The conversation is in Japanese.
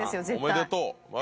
おめでとう。